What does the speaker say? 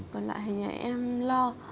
còn lại hình như em lo